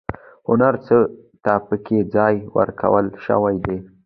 هر څه ته پکې ځای ورکول شوی دی.